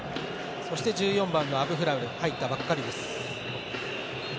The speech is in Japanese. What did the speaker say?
そして、１４番のアブフラル入ったばかりです。